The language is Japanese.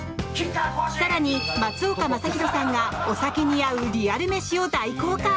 更に、松岡昌宏さんがお酒に合うリアル飯を大公開。